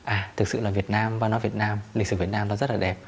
à thực sự là việt nam văn hóa việt nam lịch sử việt nam nó rất là đẹp